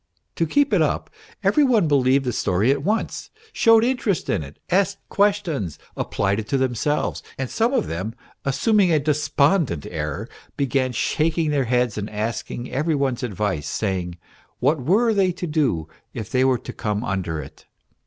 To keep it up, every one believed the story at once, showed interest in it, asked questions, applied it to themselves ; and some of them, assuming a despondent air, began shaking their heads and asking every one's advice, saying what were they to do if they were to come under it